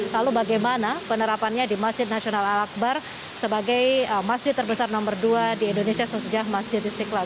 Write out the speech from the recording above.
lalu bagaimana penerapannya di masjid nasional al akbar sebagai masjid terbesar nomor dua di indonesia sejak masjid istiqlal